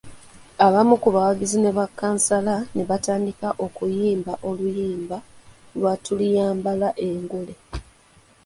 Abamu ku bawagizi ne bakkansala ne batandika okuyimba oluyimba lwa Tuliyambala engule .